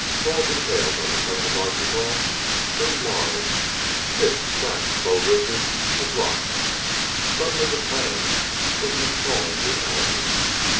Small details on the plain of Arzachel loomed large pits, cracks, low ridges of rock. Suddenly the plain was an appalling reality.